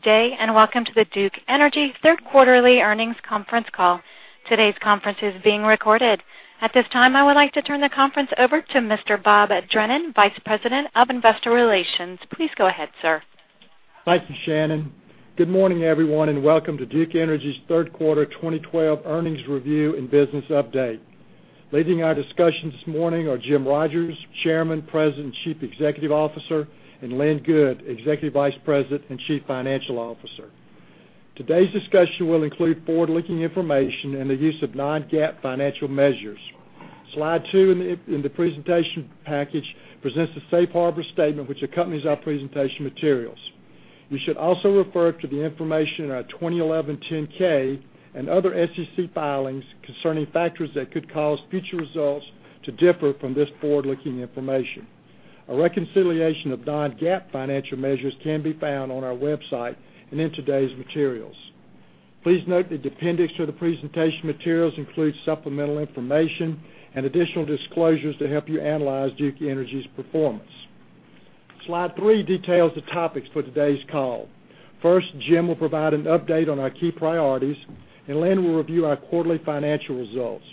Good day, welcome to the Duke Energy third quarterly earnings conference call. Today's conference is being recorded. At this time, I would like to turn the conference over to Mr. Bob Drennan, Vice President of Investor Relations. Please go ahead, sir. Thank you, Shannon. Good morning, everyone, welcome to Duke Energy's third quarter 2012 earnings review and business update. Leading our discussion this morning are Jim Rogers, Chairman, President, and Chief Executive Officer, and Lynn Good, Executive Vice President and Chief Financial Officer. Today's discussion will include forward-looking information and the use of non-GAAP financial measures. Slide two in the presentation package presents the safe harbor statement which accompanies our presentation materials. You should also refer to the information in our 2011 10-K and other SEC filings concerning factors that could cause future results to differ from this forward-looking information. A reconciliation of non-GAAP financial measures can be found on our website and in today's materials. Please note the appendix to the presentation materials includes supplemental information and additional disclosures to help you analyze Duke Energy's performance. Slide three details the topics for today's call. First, Jim will provide an update on our key priorities, Lynn will review our quarterly financial results.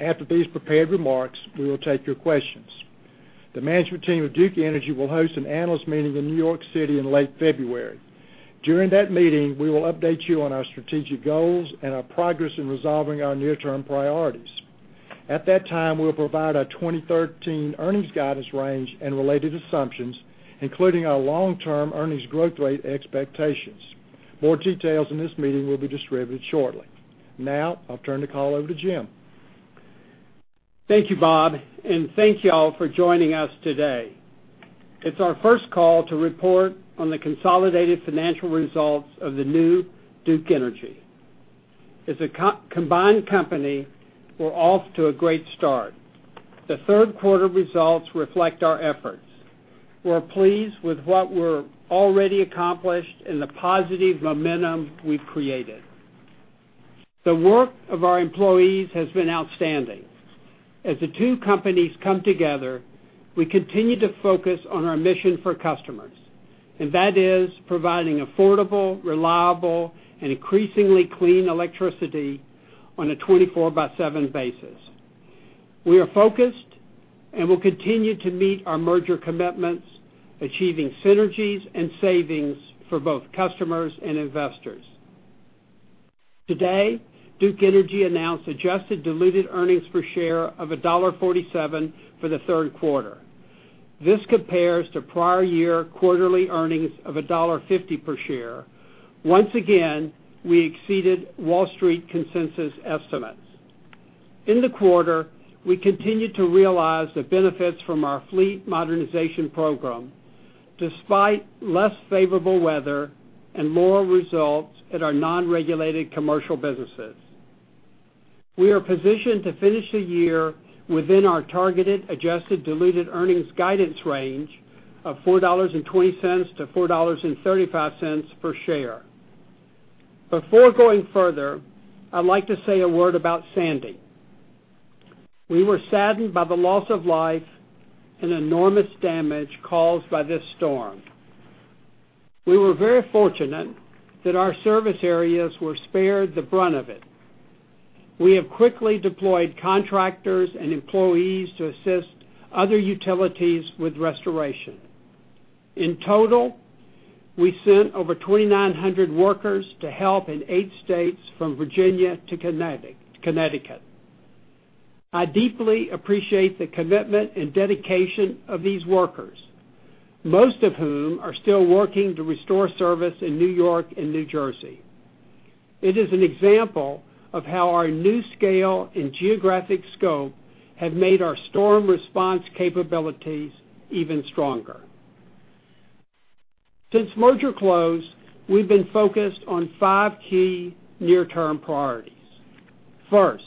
After these prepared remarks, we will take your questions. The management team of Duke Energy will host an analyst meeting in New York City in late February. During that meeting, we will update you on our strategic goals and our progress in resolving our near-term priorities. At that time, we'll provide our 2013 earnings guidance range and related assumptions, including our long-term earnings growth rate expectations. More details on this meeting will be distributed shortly. I'll turn the call over to Jim. Thank you, Bob, thank you all for joining us today. It's our first call to report on the consolidated financial results of the new Duke Energy. As a combined company, we're off to a great start. The third quarter results reflect our efforts. We're pleased with what we're already accomplished and the positive momentum we've created. The work of our employees has been outstanding. As the two companies come together, we continue to focus on our mission for customers, that is providing affordable, reliable, and increasingly clean electricity on a 24 by seven basis. We are focused and will continue to meet our merger commitments, achieving synergies and savings for both customers and investors. Today, Duke Energy announced adjusted diluted earnings per share of $1.47 for the third quarter. This compares to prior year quarterly earnings of $1.50 per share. Once again, we exceeded Wall Street consensus estimates. In the quarter, we continued to realize the benefits from our fleet modernization program, despite less favorable weather and lower results at our non-regulated commercial businesses. We are positioned to finish the year within our targeted adjusted diluted earnings guidance range of $4.20 to $4.35 per share. Before going further, I'd like to say a word about Sandy. We were saddened by the loss of life and enormous damage caused by this storm. We were very fortunate that our service areas were spared the brunt of it. We have quickly deployed contractors and employees to assist other utilities with restoration. In total, we sent over 2,900 workers to help in eight states from Virginia to Connecticut. I deeply appreciate the commitment and dedication of these workers, most of whom are still working to restore service in New York and New Jersey. It is an example of how our new scale and geographic scope have made our storm response capabilities even stronger. Since merger close, we've been focused on five key near-term priorities. First,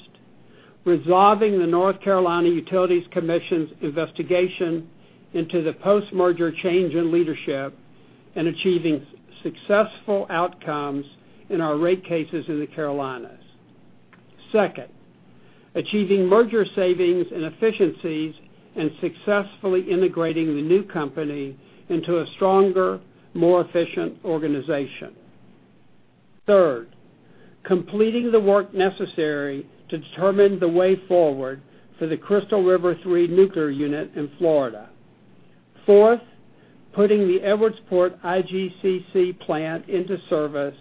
resolving the North Carolina Utilities Commission's investigation into the post-merger change in leadership and achieving successful outcomes in our rate cases in the Carolinas. Second, achieving merger savings and efficiencies and successfully integrating the new company into a stronger, more efficient organization. Third, completing the work necessary to determine the way forward for the Crystal River 3 nuclear unit in Florida. Fourth, putting the Edwardsport IGCC plant into service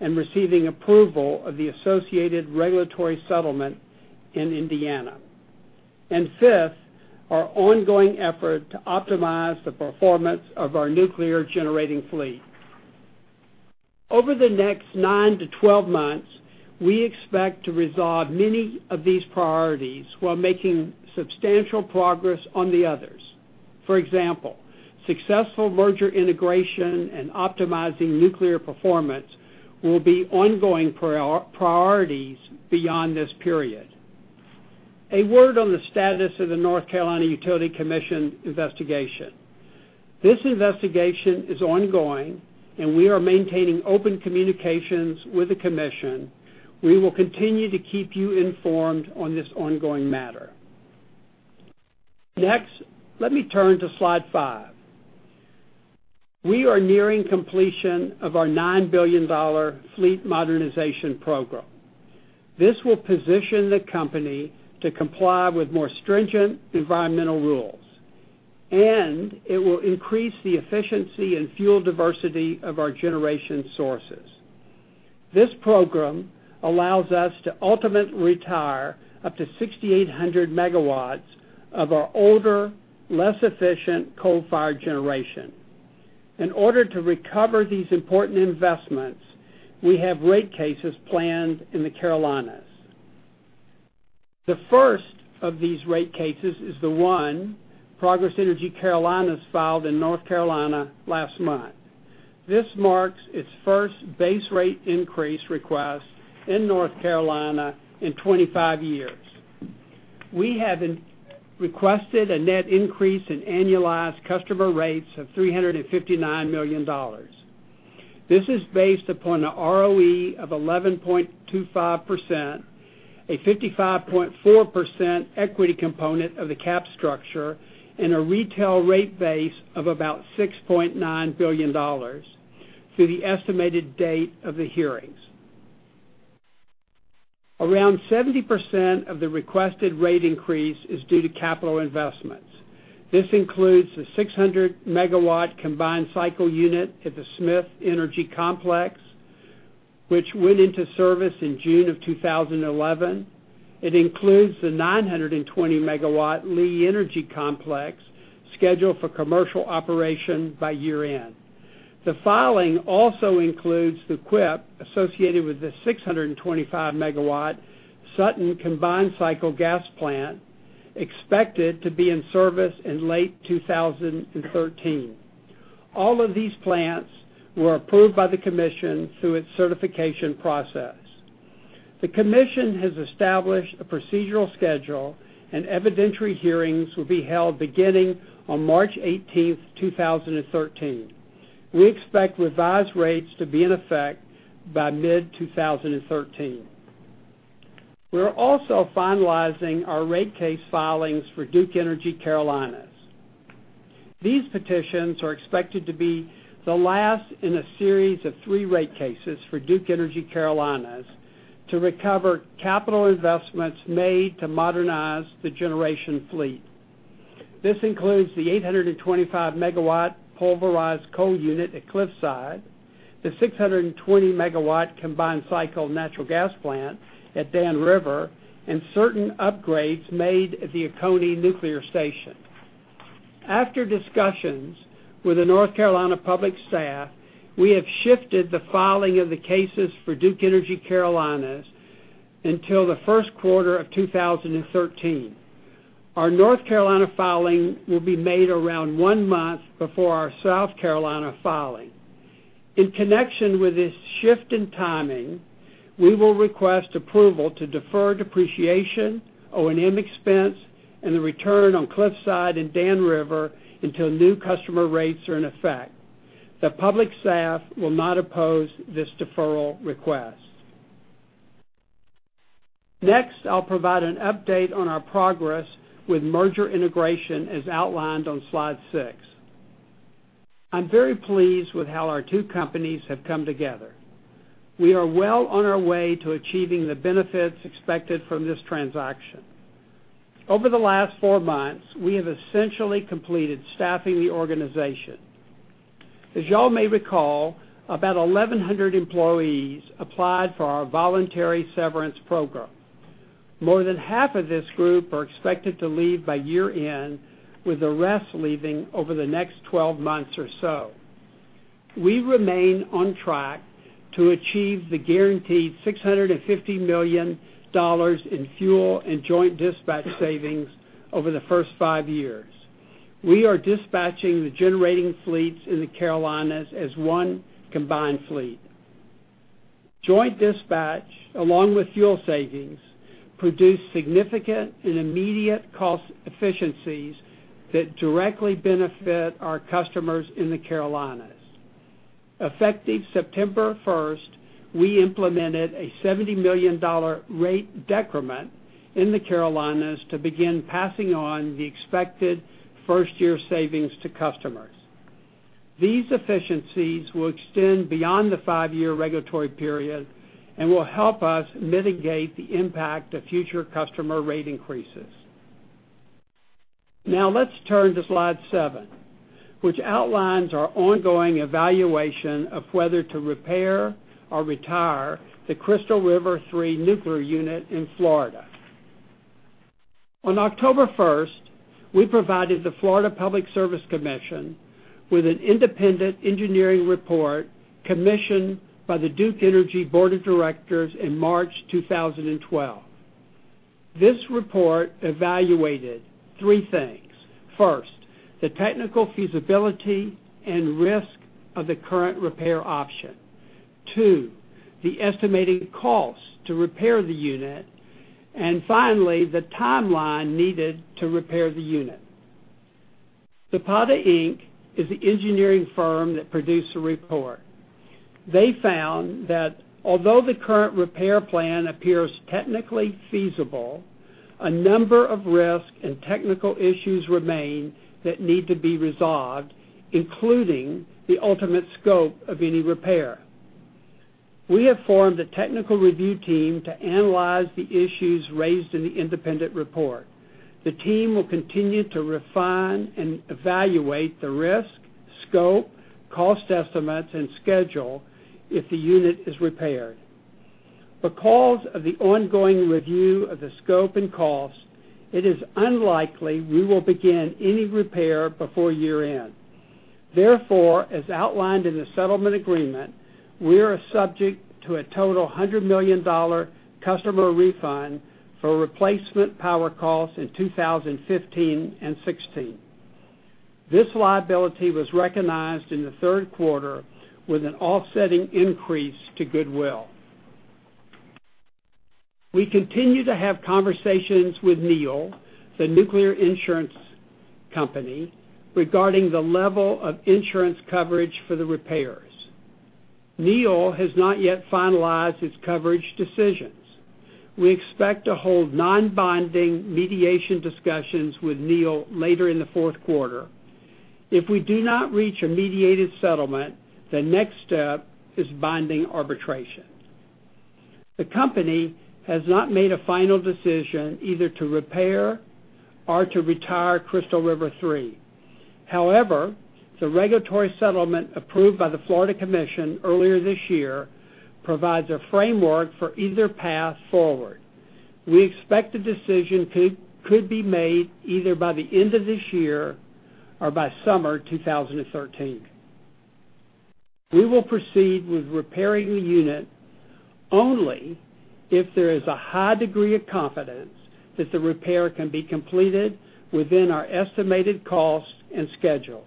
and receiving approval of the associated regulatory settlement in Indiana. Fifth, our ongoing effort to optimize the performance of our nuclear generating fleet. Over the next nine to 12 months, we expect to resolve many of these priorities while making substantial progress on the others. For example, successful merger integration and optimizing nuclear performance will be ongoing priorities beyond this period. A word on the status of the North Carolina Utilities Commission investigation. This investigation is ongoing, we are maintaining open communications with the commission. We will continue to keep you informed on this ongoing matter. Next, let me turn to slide five. We are nearing completion of our $9 billion fleet modernization program. This will position the company to comply with more stringent environmental rules, it will increase the efficiency and fuel diversity of our generation sources. This program allows us to ultimately retire up to 6,800 megawatts of our older, less efficient coal-fired generation. In order to recover these important investments, we have rate cases planned in the Carolinas. The first of these rate cases is the one Progress Energy Carolinas filed in North Carolina last month. This marks its first base rate increase request in North Carolina in 25 years. We have requested a net increase in annualized customer rates of $359 million. This is based upon an ROE of 11.25%, a 55.4% equity component of the cap structure, a retail rate base of about $6.9 billion through the estimated date of the hearings. Around 70% of the requested rate increase is due to capital investments. This includes the 600-megawatt combined cycle unit at the Smith Energy Complex, which went into service in June of 2011. It includes the 920-megawatt Lee Energy Complex, scheduled for commercial operation by year-end. The filing also includes the CWIP associated with the 625-megawatt Sutton combined cycle gas plant, expected to be in service in late 2013. All of these plants were approved by the commission through its certification process. The commission has established a procedural schedule. Evidentiary hearings will be held beginning on March 18th, 2013. We expect revised rates to be in effect by mid-2013. We are also finalizing our rate case filings for Duke Energy Carolinas. These petitions are expected to be the last in a series of three rate cases for Duke Energy Carolinas to recover capital investments made to modernize the generation fleet. This includes the 825-megawatt pulverized coal unit at Cliffside, the 620-megawatt combined cycle natural gas plant at Dan River, and certain upgrades made at the Oconee Nuclear Station. After discussions with the North Carolina public staff, we have shifted the filing of the cases for Duke Energy Carolinas until the first quarter of 2013. Our North Carolina filing will be made around one month before our South Carolina filing. In connection with this shift in timing, we will request approval to defer depreciation, O&M expense, and the return on Cliffside and Dan River until new customer rates are in effect. The public staff will not oppose this deferral request. Next, I will provide an update on our progress with merger integration, as outlined on slide six. I am very pleased with how our two companies have come together. We are well on our way to achieving the benefits expected from this transaction. Over the last four months, we have essentially completed staffing the organization. As you all may recall, about 1,100 employees applied for our voluntary severance program. More than half of this group are expected to leave by year-end, with the rest leaving over the next 12 months or so. We remain on track to achieve the guaranteed $650 million in fuel and joint dispatch savings over the first five years. We are dispatching the generating fleets in the Carolinas as one combined fleet. Joint dispatch, along with fuel savings, produce significant and immediate cost efficiencies that directly benefit our customers in the Carolinas. Effective September 1st, we implemented a $70 million rate decrement in the Carolinas to begin passing on the expected first-year savings to customers. These efficiencies will extend beyond the five-year regulatory period and will help us mitigate the impact of future customer rate increases. Now let us turn to slide seven, which outlines our ongoing evaluation of whether to repair or retire the Crystal River 3 nuclear unit in Florida. On October 1st, we provided the Florida Public Service Commission with an independent engineering report commissioned by the Duke Energy Board of Directors in March 2012. This report evaluated three things. First, the technical feasibility and risk of the current repair option. Two, the estimating cost to repair the unit. Finally, the timeline needed to repair the unit. Zapata Inc. is the engineering firm that produced the report. They found that although the current repair plan appears technically feasible, a number of risks and technical issues remain that need to be resolved, including the ultimate scope of any repair. We have formed a technical review team to analyze the issues raised in the independent report. The team will continue to refine and evaluate the risk, scope, cost estimates, and schedule if the unit is repaired. Because of the ongoing review of the scope and cost, it is unlikely we will begin any repair before year-end. As outlined in the settlement agreement, we are subject to a total $100 million customer refund for replacement power costs in 2015 and 2016. This liability was recognized in the third quarter with an offsetting increase to goodwill. We continue to have conversations with NEI, the nuclear insurance company, regarding the level of insurance coverage for the repairs. NEI has not yet finalized its coverage decisions. We expect to hold non-binding mediation discussions with NEI later in the fourth quarter. If we do not reach a mediated settlement, the next step is binding arbitration. The company has not made a final decision either to repair or to retire Crystal River 3. However, the regulatory settlement approved by the Florida Commission earlier this year provides a framework for either path forward. We expect the decision could be made either by the end of this year or by summer 2013. We will proceed with repairing the unit only if there is a high degree of confidence that the repair can be completed within our estimated cost and schedule.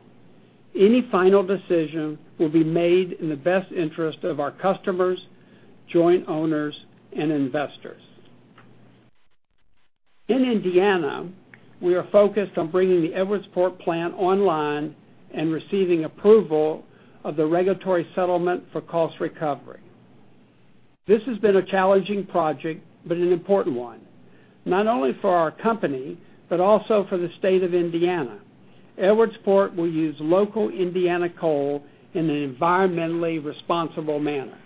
Any final decision will be made in the best interest of our customers, joint owners, and investors. In Indiana, we are focused on bringing the Edwardsport plant online and receiving approval of the regulatory settlement for cost recovery. This has been a challenging project, but an important one, not only for our company, but also for the state of Indiana. Edwardsport will use local Indiana coal in an environmentally responsible manner.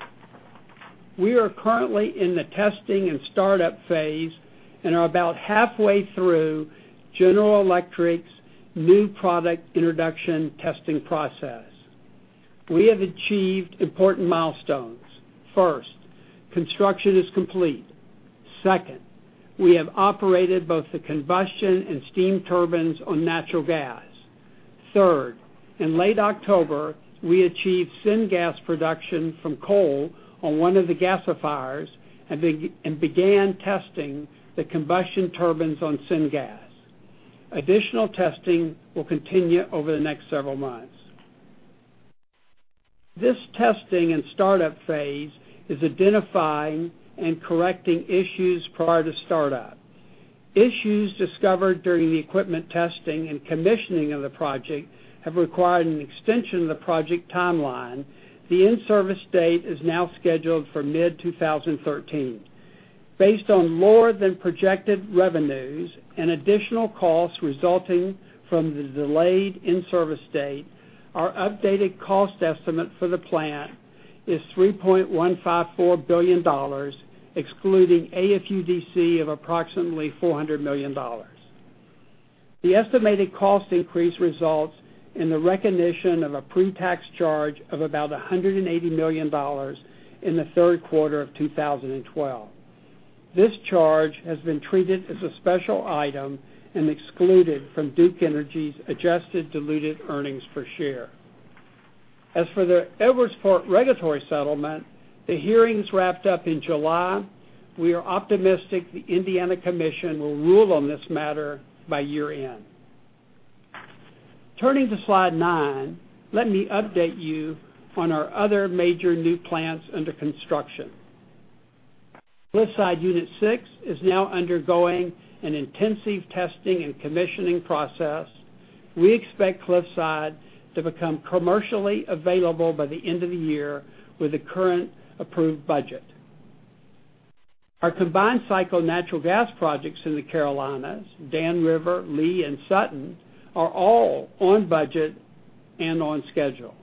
We are currently in the testing and startup phase and are about halfway through General Electric's new product introduction testing process. We have achieved important milestones. First, construction is complete. Second, we have operated both the combustion and steam turbines on natural gas. Third, in late October, we achieved syngas production from coal on one of the gasifiers and began testing the combustion turbines on syngas. Additional testing will continue over the next several months. This testing and startup phase is identifying and correcting issues prior to startup. Issues discovered during the equipment testing and commissioning of the project have required an extension of the project timeline. The in-service date is now scheduled for mid-2013. Based on lower than projected revenues and additional costs resulting from the delayed in-service date, our updated cost estimate for the plant is $3.154 billion, excluding AFUDC of approximately $400 million. The estimated cost increase results in the recognition of a pre-tax charge of about $180 million in the third quarter of 2012. This charge has been treated as a special item and excluded from Duke Energy's adjusted diluted EPS. As for the Edwardsport regulatory settlement, the hearings wrapped up in July. We are optimistic the Indiana Commission will rule on this matter by year-end. Turning to slide nine, let me update you on our other major new plants under construction. Cliffside Unit Six is now undergoing an intensive testing and commissioning process. We expect Cliffside to become commercially available by the end of the year with the current approved budget. Our combined cycle natural gas projects in the Carolinas, Dan River, Lee, and Sutton, are all on budget and on schedule.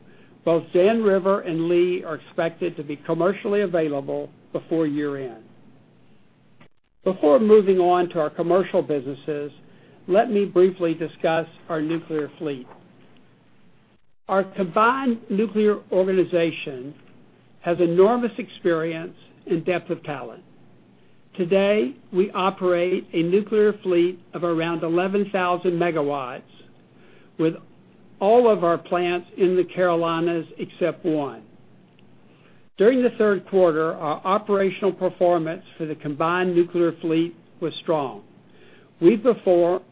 Both Dan River and Lee are expected to be commercially available before year-end. Before moving on to our commercial businesses, let me briefly discuss our nuclear fleet. Our combined nuclear organization has enormous experience and depth of talent. Today, we operate a nuclear fleet of around 11,000 megawatts, with all of our plants in the Carolinas except one. During the third quarter, our operational performance for the combined nuclear fleet was strong. We performed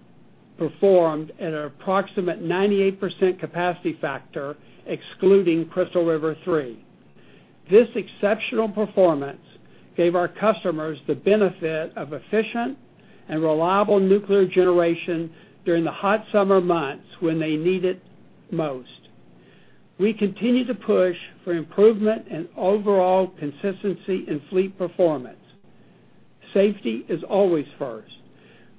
at an approximate 98% capacity factor excluding Crystal River 3. This exceptional performance gave our customers the benefit of efficient and reliable nuclear generation during the hot summer months when they need it most. We continue to push for improvement and overall consistency in fleet performance. Safety is always first.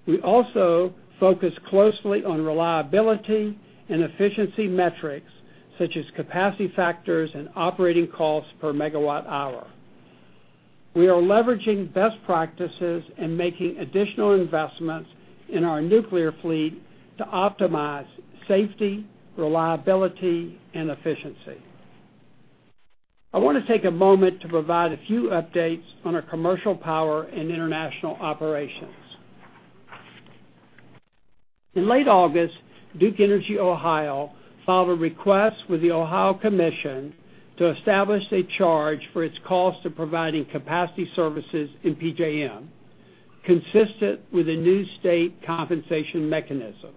We also focus closely on reliability and efficiency metrics such as capacity factors and operating costs per megawatt hour. We are leveraging best practices and making additional investments in our nuclear fleet to optimize safety, reliability, and efficiency. I want to take a moment to provide a few updates on our Commercial Power and international operations. In late August, Duke Energy Ohio filed a request with the Ohio Commission to establish a charge for its cost of providing capacity services in PJM, consistent with the new state compensation mechanism.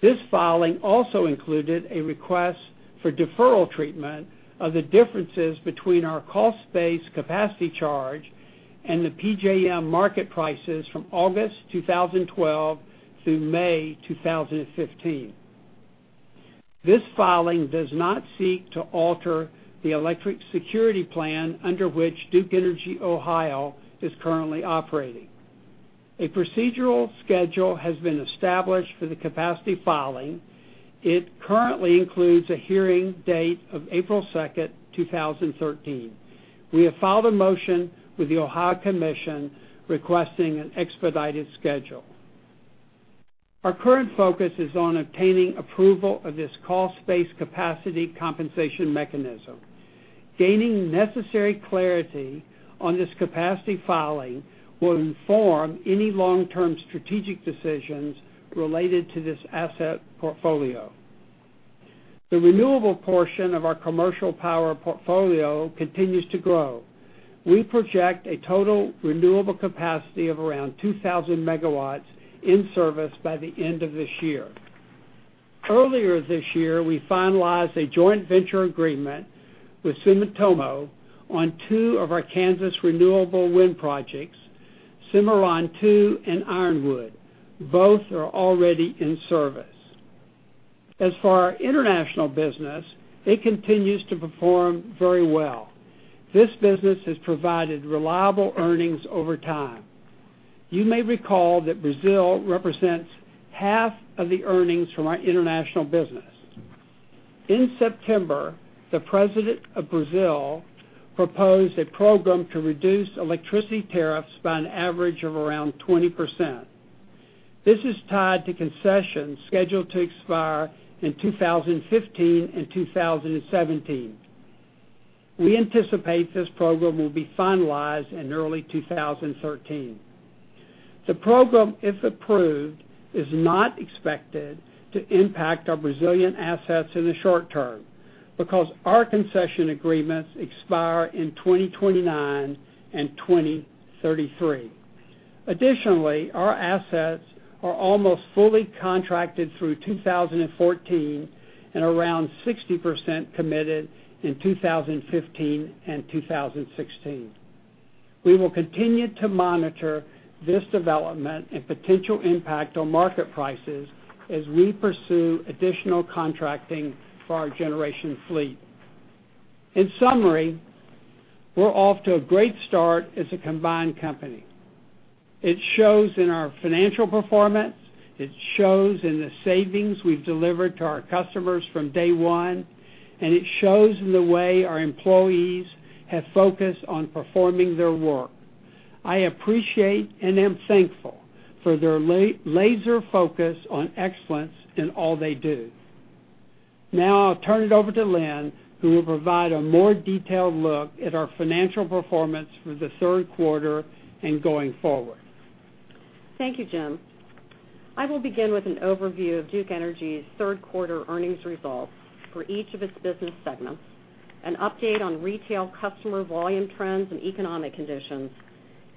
This filing also included a request for deferral treatment of the differences between our cost-based capacity charge and the PJM market prices from August 2012 through May 2015. This filing does not seek to alter the electric security plan under which Duke Energy Ohio is currently operating. A procedural schedule has been established for the capacity filing. It currently includes a hearing date of April 2nd, 2013. We have filed a motion with the Ohio Commission requesting an expedited schedule. Our current focus is on obtaining approval of this cost-based capacity compensation mechanism. Gaining necessary clarity on this capacity filing will inform any long-term strategic decisions related to this asset portfolio. The renewable portion of our Commercial Power portfolio continues to grow. We project a total renewable capacity of around 2,000 megawatts in service by the end of this year. Earlier this year, we finalized a joint venture agreement with Sumitomo on two of our Kansas renewable wind projects, Cimarron II and Ironwood. Both are already in service. As for our international business, it continues to perform very well. This business has provided reliable earnings over time. You may recall that Brazil represents half of the earnings from our international business. In September, the president of Brazil proposed a program to reduce electricity tariffs by an average of around 20%. This is tied to concessions scheduled to expire in 2015 and 2017. We anticipate this program will be finalized in early 2013. The program, if approved, is not expected to impact our Brazilian assets in the short term because our concession agreements expire in 2029 and 2033. Additionally, our assets are almost fully contracted through 2014 and around 60% committed in 2015 and 2016. We will continue to monitor this development and potential impact on market prices as we pursue additional contracting for our generation fleet. In summary, we're off to a great start as a combined company. It shows in our financial performance, it shows in the savings we've delivered to our customers from day one, it shows in the way our employees have focused on performing their work. I appreciate and am thankful for their laser focus on excellence in all they do. I'll turn it over to Lynn, who will provide a more detailed look at our financial performance for the third quarter and going forward. Thank you, Jim. I will begin with an overview of Duke Energy's third quarter earnings results for each of its business segments, an update on retail customer volume trends and economic conditions,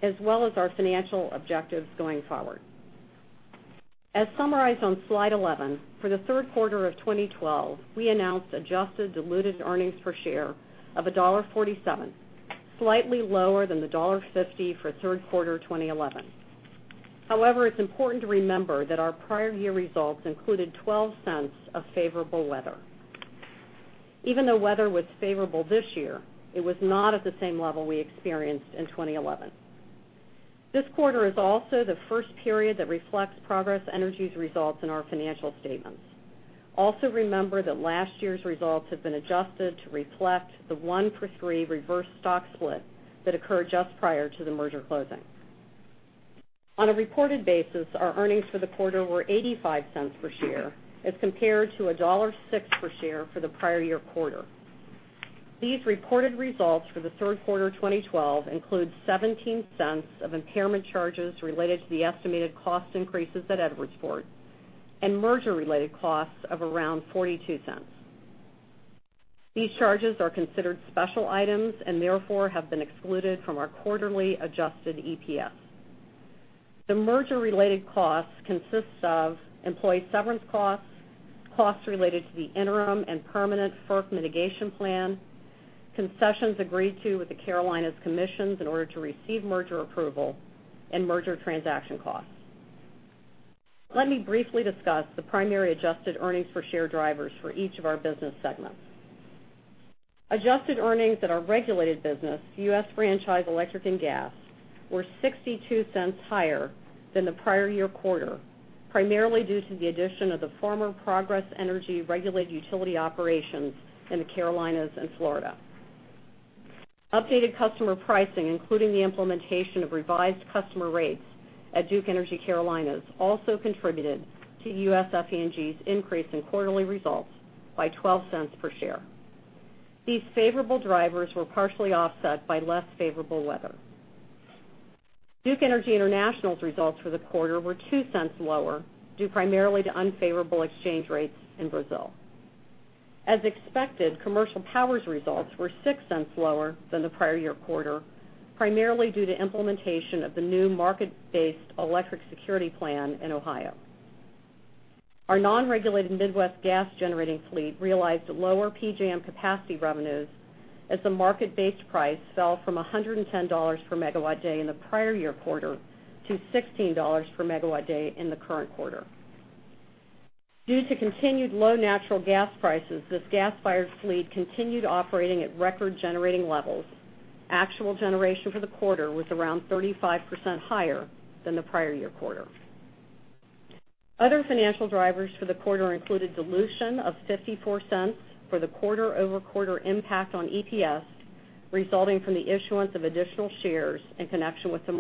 as well as our financial objectives going forward. As summarized on slide 11, for the third quarter of 2012, we announced adjusted diluted earnings per share of $1.47, slightly lower than the $1.50 for third quarter 2011. However, it's important to remember that our prior year results included $0.12 of favorable weather. Even though weather was favorable this year, it was not at the same level we experienced in 2011. This quarter is also the first period that reflects Progress Energy's results in our financial statements. Also remember that last year's results have been adjusted to reflect the one-for-three reverse stock split that occurred just prior to the merger closing. On a reported basis, our earnings for the quarter were $0.85 per share as compared to $1.06 per share for the prior year quarter. These reported results for the third quarter 2012 include $0.17 of impairment charges related to the estimated cost increases at Edwardsport and merger-related costs of around $0.42. These charges are considered special items and therefore have been excluded from our quarterly adjusted EPS. The merger-related costs consists of employee severance costs related to the interim and permanent FERC mitigation plan, concessions agreed to with the Carolinas commissions in order to receive merger approval, and merger transaction costs. Let me briefly discuss the primary adjusted earnings per share drivers for each of our business segments. Adjusted earnings at our regulated business, US Franchise Electric and Gas, were $0.62 higher than the prior year quarter, primarily due to the addition of the former Progress Energy regulated utility operations in the Carolinas and Florida. Updated customer pricing, including the implementation of revised customer rates at Duke Energy Carolinas, also contributed to US FE&G's increase in quarterly results by $0.12 per share. These favorable drivers were partially offset by less favorable weather. Duke Energy International's results for the quarter were $0.02 lower due primarily to unfavorable exchange rates in Brazil. As expected, Commercial Power's results were $0.06 lower than the prior year quarter, primarily due to implementation of the new market-based electric security plan in Ohio. Our non-regulated Midwest Gas generating fleet realized lower PJM capacity revenues as the market-based price fell from $110 per megawatt day in the prior year quarter to $16 per megawatt day in the current quarter. Due to continued low natural gas prices, this gas-fired fleet continued operating at record generating levels. Actual generation for the quarter was around 35% higher than the prior year quarter. Other financial drivers for the quarter included dilution of $0.54 for the quarter-over-quarter impact on EPS, resulting from the issuance of additional shares in connection with the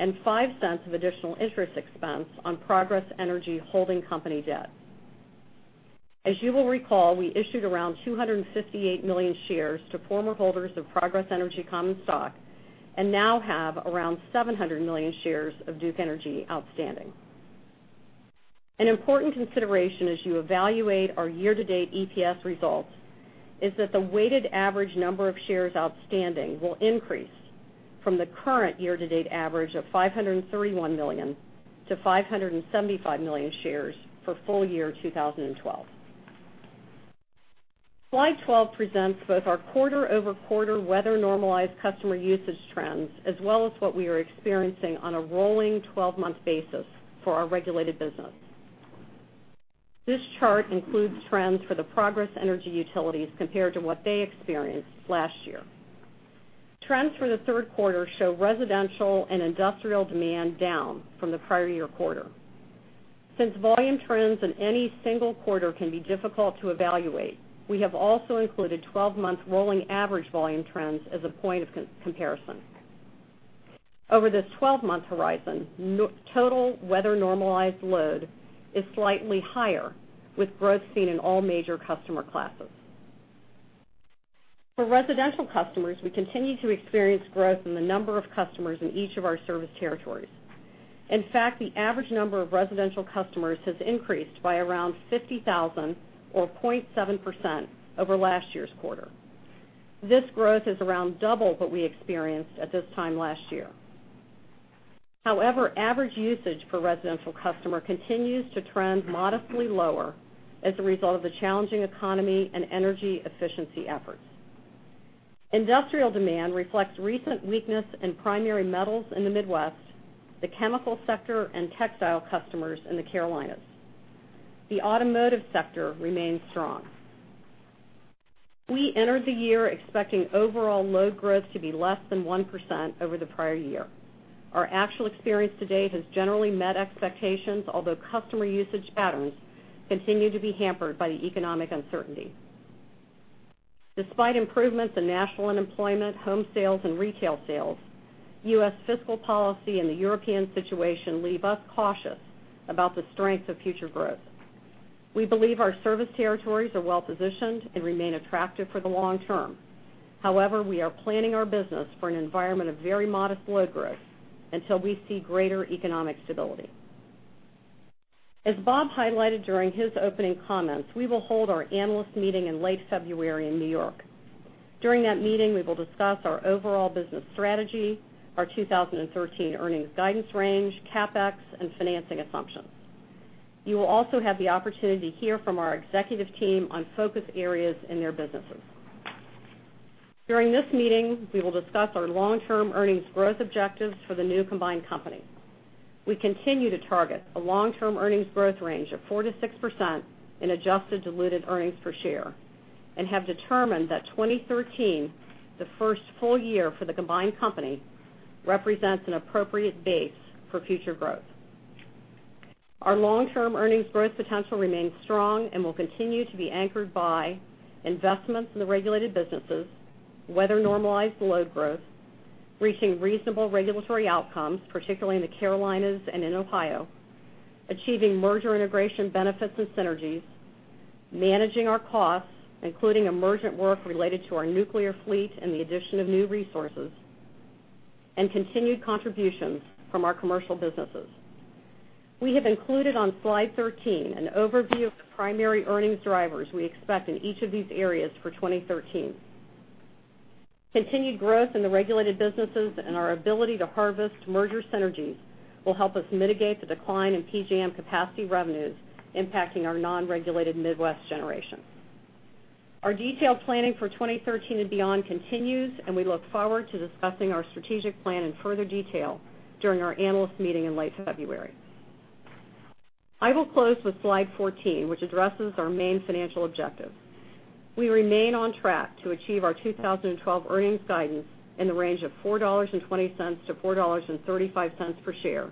merger, and $0.05 of additional interest expense on Progress Energy holding company debt. As you will recall, we issued around 258 million shares to former holders of Progress Energy common stock and now have around 700 million shares of Duke Energy outstanding. An important consideration as you evaluate our year-to-date EPS results is that the weighted average number of shares outstanding will increase from the current year-to-date average of 531 million to 575 million shares for full year 2012. Slide 12 presents both our quarter-over-quarter weather normalized customer usage trends, as well as what we are experiencing on a rolling 12-month basis for our regulated business. This chart includes trends for the Progress Energy utilities compared to what they experienced last year. Trends for the third quarter show residential and industrial demand down from the prior year quarter. Since volume trends in any single quarter can be difficult to evaluate, we have also included 12-month rolling average volume trends as a point of comparison. Over this 12-month horizon, total weather normalized load is slightly higher, with growth seen in all major customer classes. For residential customers, we continue to experience growth in the number of customers in each of our service territories. In fact, the average number of residential customers has increased by around 50,000 or 0.7% over last year's quarter. This growth is around double what we experienced at this time last year. However, average usage per residential customer continues to trend modestly lower as a result of the challenging economy and energy efficiency efforts. Industrial demand reflects recent weakness in primary metals in the Midwest, the chemical sector, and textile customers in the Carolinas. The automotive sector remains strong. We entered the year expecting overall load growth to be less than 1% over the prior year. Our actual experience to date has generally met expectations, although customer usage patterns continue to be hampered by the economic uncertainty. Despite improvements in national unemployment, home sales, and retail sales, U.S. fiscal policy and the European situation leave us cautious about the strength of future growth. We believe our service territories are well positioned and remain attractive for the long term. However, we are planning our business for an environment of very modest load growth until we see greater economic stability. As Bob highlighted during his opening comments, we will hold our analyst meeting in late February in New York. During that meeting, we will discuss our overall business strategy, our 2013 earnings guidance range, CapEx, and financing assumptions. You will also have the opportunity to hear from our executive team on focus areas in their businesses. During this meeting, we will discuss our long-term earnings growth objectives for the new combined company. We continue to target a long-term earnings growth range of 4%-6% in adjusted diluted earnings per share and have determined that 2013, the first full year for the combined company, represents an appropriate base for future growth. Our long-term earnings growth potential remains strong and will continue to be anchored by investments in the regulated businesses, weather normalized load growth, reaching reasonable regulatory outcomes, particularly in the Carolinas and in Ohio, achieving merger integration benefits and synergies, managing our costs, including emergent work related to our nuclear fleet and the addition of new resources, and continued contributions from our commercial businesses. We have included on slide 13 an overview of the primary earnings drivers we expect in each of these areas for 2013. Continued growth in the regulated businesses and our ability to harvest merger synergies will help us mitigate the decline in PJM capacity revenues impacting our non-regulated Midwest generation. Our detailed planning for 2013 and beyond continues. We look forward to discussing our strategic plan in further detail during our analyst meeting in late February. I will close with slide 14, which addresses our main financial objectives. We remain on track to achieve our 2012 earnings guidance in the range of $4.20-$4.35 per share,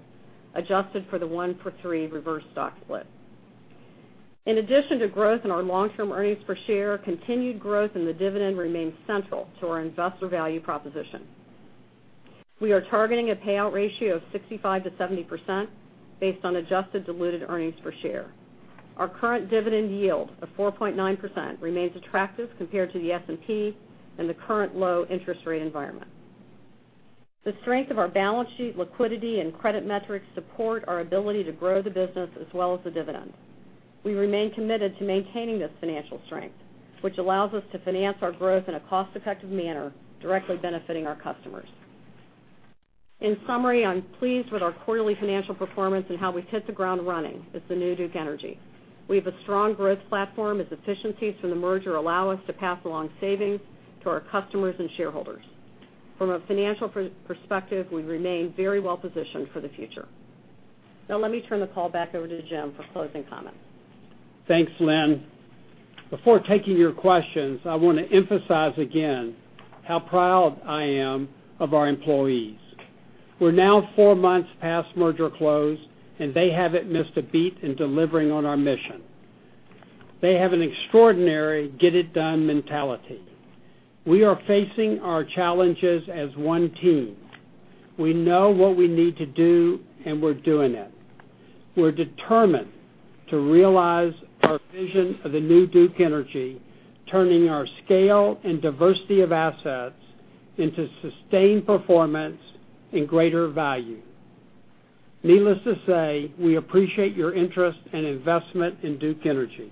adjusted for the one for three reverse stock split. In addition to growth in our long-term earnings per share, continued growth in the dividend remains central to our investor value proposition. We are targeting a payout ratio of 65%-70% based on adjusted diluted earnings per share. Our current dividend yield of 4.9% remains attractive compared to the S&P and the current low interest rate environment. The strength of our balance sheet liquidity and credit metrics support our ability to grow the business as well as the dividend. We remain committed to maintaining this financial strength, which allows us to finance our growth in a cost-effective manner, directly benefiting our customers. In summary, I'm pleased with our quarterly financial performance and how we've hit the ground running as the new Duke Energy. We have a strong growth platform as efficiencies from the merger allow us to pass along savings to our customers and shareholders. From a financial perspective, we remain very well positioned for the future. Let me turn the call back over to Jim for closing comments. Thanks, Lynn. Before taking your questions, I want to emphasize again how proud I am of our employees. We're now four months past merger close. They haven't missed a beat in delivering on our mission. They have an extraordinary get it done mentality. We are facing our challenges as one team. We know what we need to do. We're doing it. We're determined to realize our vision of the new Duke Energy, turning our scale and diversity of assets into sustained performance and greater value. Needless to say, we appreciate your interest and investment in Duke Energy.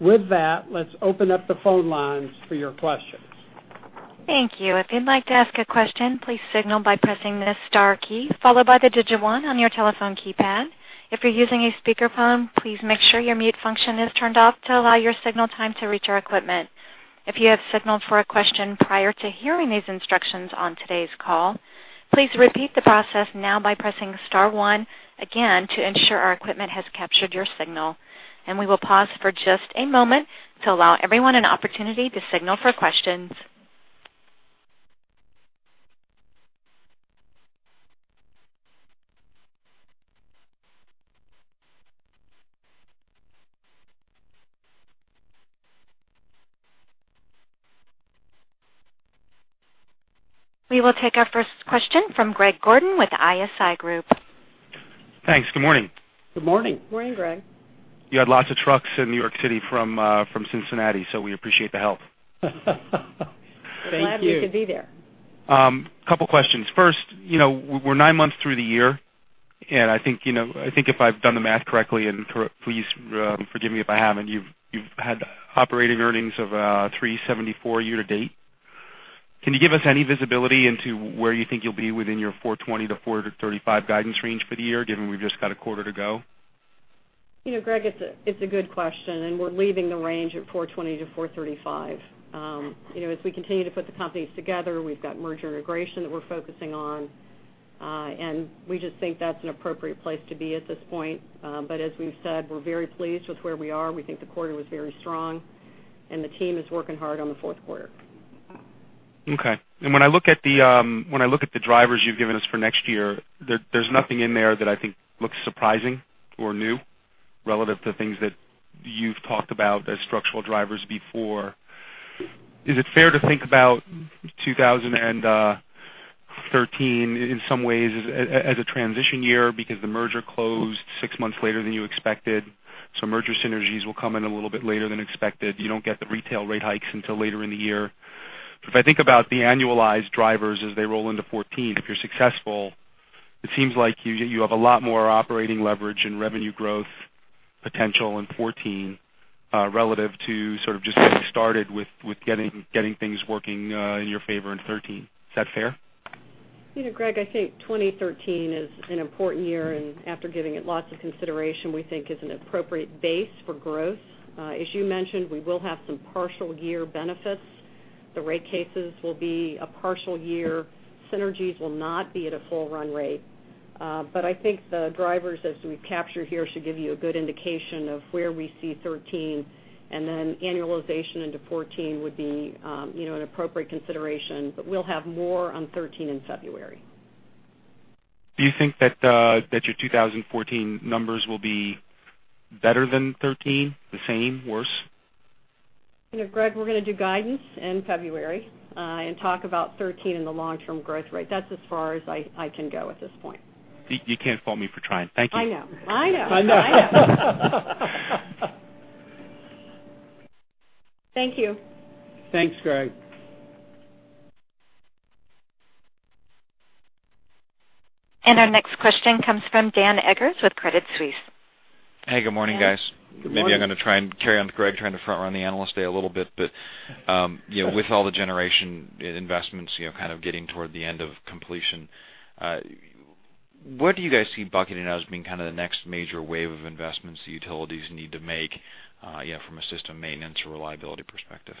Let's open up the phone lines for your questions. Thank you. If you'd like to ask a question, please signal by pressing the star key, followed by the digit one on your telephone keypad. If you're using a speakerphone, please make sure your mute function is turned off to allow your signal time to reach our equipment. If you have signaled for a question prior to hearing these instructions on today's call, please repeat the process now by pressing star one again to ensure our equipment has captured your signal. We will pause for just a moment to allow everyone an opportunity to signal for questions. We will take our first question from Greg Gordon with ISI Group. Thanks. Good morning. Good morning. Morning, Greg. You had lots of trucks in New York City from Cincinnati, so we appreciate the help. Thank you. Glad we could be there. Couple questions. First, we're nine months through the year, I think if I've done the math correctly, and please forgive me if I haven't, you've had operating earnings of $3.74 year to date. Can you give us any visibility into where you think you'll be within your $4.20 to $4.35 guidance range for the year, given we've just got a quarter to go? Greg, it's a good question. We're leaving the range at $4.20 to $4.35. As we continue to put the companies together, we've got merger integration that we're focusing on. We just think that's an appropriate place to be at this point. As we've said, we're very pleased with where we are. We think the quarter was very strong. The team is working hard on the fourth quarter. Okay. When I look at the drivers you've given us for next year, there's nothing in there that I think looks surprising or new relative to things that you've talked about as structural drivers before. Is it fair to think about 2013 in some ways as a transition year because the merger closed six months later than you expected, so merger synergies will come in a little bit later than expected. You don't get the retail rate hikes until later in the year. If I think about the annualized drivers as they roll into 2014, if you're successful, it seems like you have a lot more operating leverage and revenue growth potential in 2014, relative to sort of just getting started with getting things working in your favor in 2013. Is that fair? Greg, I think 2013 is an important year. After giving it lots of consideration, we think is an appropriate base for growth. As you mentioned, we will have some partial year benefits. The rate cases will be a partial year. Synergies will not be at a full run rate. I think the drivers, as we've captured here, should give you a good indication of where we see 2013. Annualization into 2014 would be an appropriate consideration. We'll have more on 2013 in February. Do you think that your 2014 numbers will be better than 2013? The same? Worse? Greg, we're going to do guidance in February, talk about 2013 and the long-term growth rate. That's as far as I can go at this point. You can't fault me for trying. Thank you. I know. I know. Thank you. Thanks, Greg. Our next question comes from Dan Eggers with Credit Suisse. Hey, good morning, guys. Good morning. Maybe I'm going to try and carry on with Greg trying to front run the analyst day a little bit, but with all the generation investments kind of getting toward the end of completion, what do you guys see bucketing as being kind of the next major wave of investments the utilities need to make from a system maintenance or reliability perspective?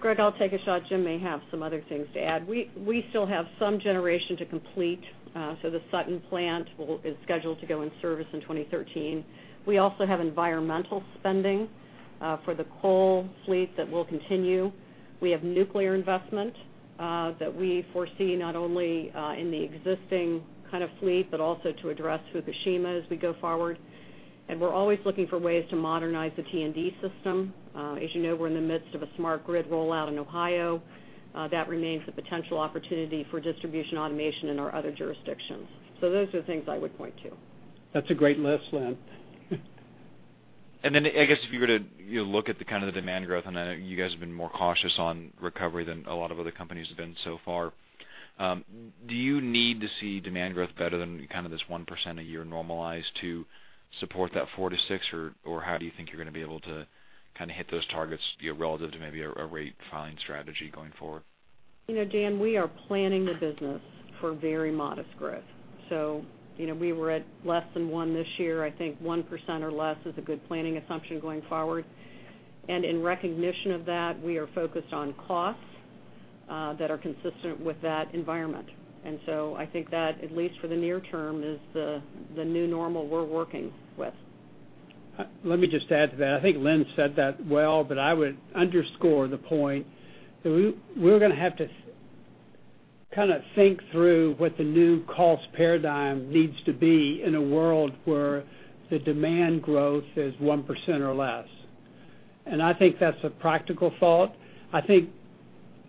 Greg, I'll take a shot. Jim may have some other things to add. We still have some generation to complete. The Sutton plant is scheduled to go in service in 2013. We also have environmental spending for the coal fleet that will continue. We have nuclear investment that we foresee not only in the existing kind of fleet, but also to address Fukushima as we go forward. We're always looking for ways to modernize the T&D system. As you know, we're in the midst of a smart grid rollout in Ohio. That remains a potential opportunity for distribution automation in our other jurisdictions. Those are things I would point to. That's a great list, Lynn. I guess if you were to look at the kind of the demand growth, I know you guys have been more cautious on recovery than a lot of other companies have been so far, do you need to see demand growth better than kind of this 1% a year normalized to support that 4%-6%? How do you think you're going to be able to hit those targets relative to maybe a rate filing strategy going forward? Dan, we are planning the business for very modest growth. We were at less than 1% this year. I think 1% or less is a good planning assumption going forward. In recognition of that, we are focused on costs that are consistent with that environment. I think that, at least for the near term, is the new normal we're working with. Let me just add to that. I think Lynn said that well, I would underscore the point that we're going to have to kind of think through what the new cost paradigm needs to be in a world where the demand growth is 1% or less. I think that's a practical thought. I think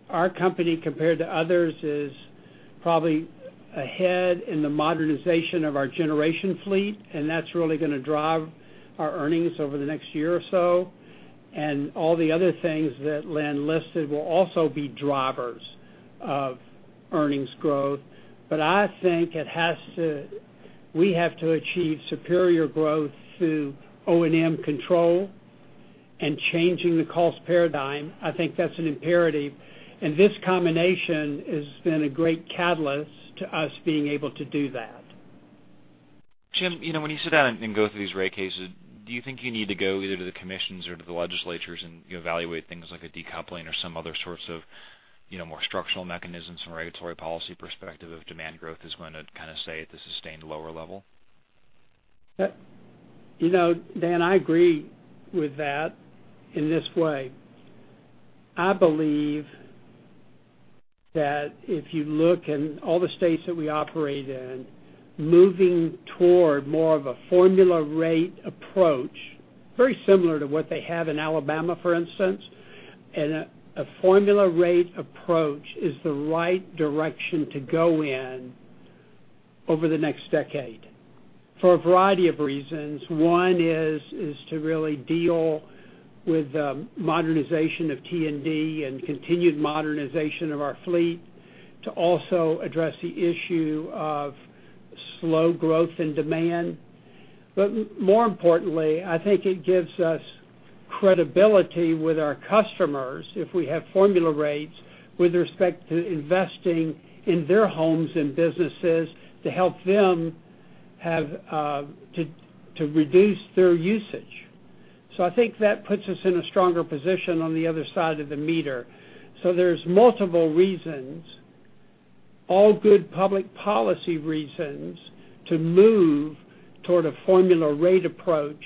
our company, compared to others, is probably ahead in the modernization of our generation fleet, and that's really going to drive our earnings over the next year or so. All the other things that Lynn listed will also be drivers of earnings growth. I think we have to achieve superior growth through O&M control and changing the cost paradigm. I think that's an imperative. This combination has been a great catalyst to us being able to do that. Jim, when you sit down and go through these rate cases, do you think you need to go either to the commissions or to the legislatures and evaluate things like a decoupling or some other sorts of more structural mechanisms from a regulatory policy perspective if demand growth is going to kind of stay at the sustained lower level? Dan, I agree with that in this way. I believe that if you look in all the states that we operate in, moving toward more of a formula rate approach, very similar to what they have in Alabama, for instance, a formula rate approach is the right direction to go in over the next decade for a variety of reasons. One is to really deal with the modernization of T&D and continued modernization of our fleet to also address the issue of slow growth and demand. More importantly, I think it gives us credibility with our customers if we have formula rates with respect to investing in their homes and businesses to help them to reduce their usage. I think that puts us in a stronger position on the other side of the meter. There's multiple reasons, all good public policy reasons, to move toward a formula rate approach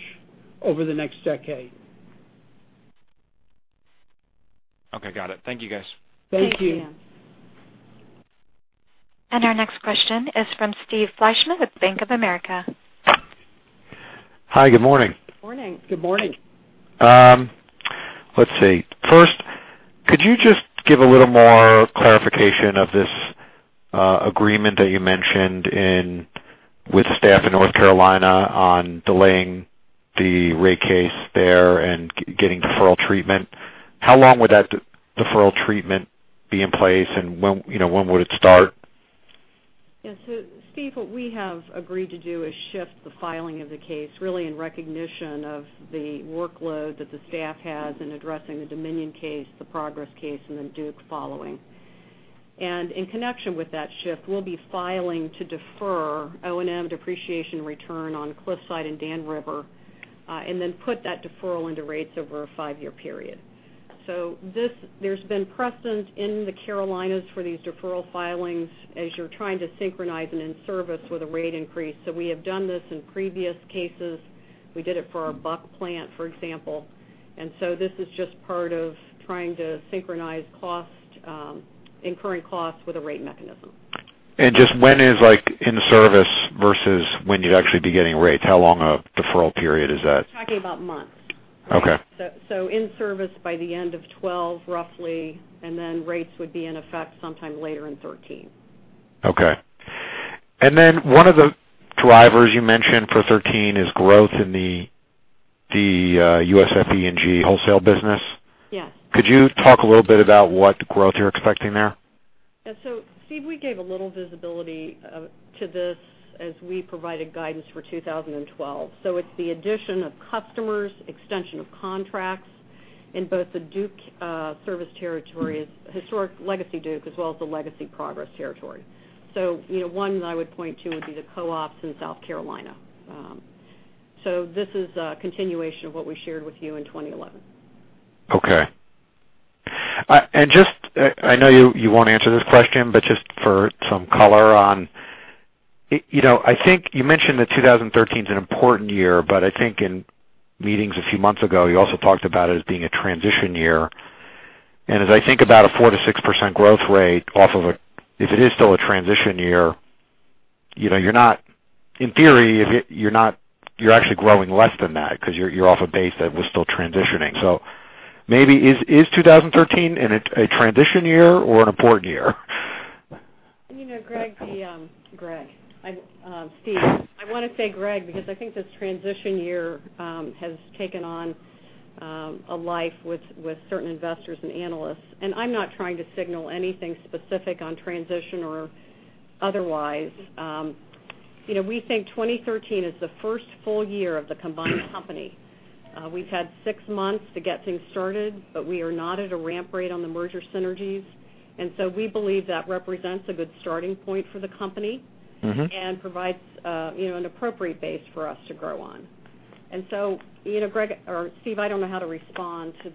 over the next decade. Okay, got it. Thank you, guys. Thank you. Thank you. Our next question is from Steve Fleishman with Bank of America. Hi, good morning. Morning. Good morning. First, could you just give a little more clarification of this agreement that you mentioned with staff in North Carolina on delaying the rate case there and getting deferral treatment? How long would that deferral treatment be in place, and when would it start? Yes. Steve, what we have agreed to do is shift the filing of the case really in recognition of the workload that the staff has in addressing the Dominion case, the Progress case, and Duke following. In connection with that shift, we'll be filing to defer O&M depreciation return on Cliffside and Dan River, and then put that deferral into rates over a five-year period. There's been precedent in the Carolinas for these deferral filings as you're trying to synchronize an in-service with a rate increase. We have done this in previous cases. We did it for our Buck plant, for example. This is just part of trying to synchronize incurring costs with a rate mechanism. Just when is in-service versus when you'd actually be getting rates? How long a deferral period is that? Talking about months. Okay. In-service by the end of 2012, roughly, then rates would be in effect sometime later in 2013. Okay. One of the drivers you mentioned for 2013 is growth in the US FE&G wholesale business? Yes. Could you talk a little bit about what growth you're expecting there? Steve, we gave a little visibility to this as we provided guidance for 2012. It's the addition of customers, extension of contracts in both the Duke service territories, historic legacy Duke, as well as the legacy Progress Territory. One that I would point to would be the co-ops in South Carolina. This is a continuation of what we shared with you in 2011. Okay. I know you won't answer this question, but just for some color on it, I think you mentioned that 2013 is an important year, but I think in meetings a few months ago, you also talked about it as being a transition year. As I think about a 4%-6% growth rate, if it is still a transition year, in theory, you're actually growing less than that because you're off a base that was still transitioning. Maybe is 2013 a transition year or an important year? Steve, I want to say, Greg, because I think this transition year has taken on a life with certain investors and analysts, and I'm not trying to signal anything specific on transition or otherwise. We think 2013 is the first full year of the combined company. We've had six months to get things started, but we are not at a ramp rate on the merger synergies. We believe that represents a good starting point for the company- Provides an appropriate base for us to grow on. Steve, I don't know how to respond to